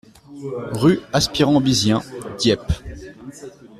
Rue Aspirant Bizien, Dieppe